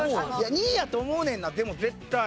２位やと思うねんなでも絶対。